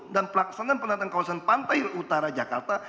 dan pelaksanaan pendatang kawasan pantai utara jakarta